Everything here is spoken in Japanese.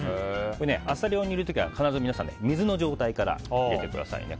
アサリを煮る時は必ず皆さん、水の状態から入れてくださいね。